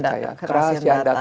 iya kerahasiaan data